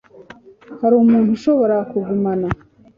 Hari umuntu ushobora kugumana?